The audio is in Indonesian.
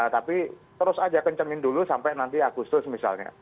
tapi terus aja kencengin dulu sampai nanti agustus misalnya